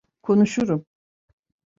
Konuşurum.